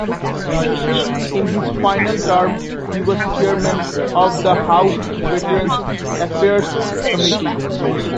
In his final term he was chairman of the House Veterans' Affairs Committee.